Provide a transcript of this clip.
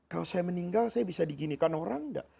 kalau saya meninggal saya bisa diginikan orang enggak